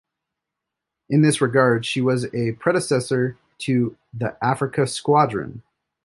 In this regard she was a predecessor to the Africa Squadron.